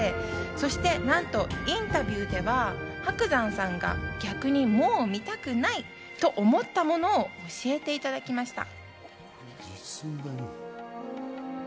そしてなんとインタビューでは、伯山さんが逆にもう見たくないと思ったものを教えていただきました。